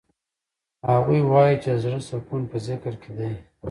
هغوی وایي چې د زړه سکون په ذکر کې دی.